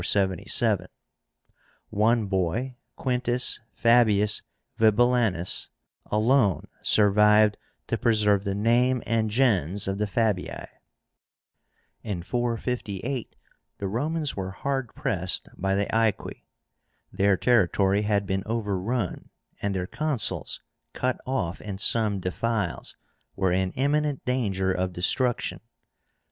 One boy, Quintus Fabius Vibulánus, alone survived to preserve the name and gens of the Fabii. In 458 the Romans were hard pressed by the Aequi. Their territory had been overrun, and their Consuls, cut off in some defiles, were in imminent danger of destruction.